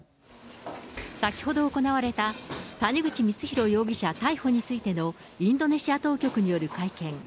先ほど行われた谷口光弘容疑者逮捕についての、インドネシア当局による会見。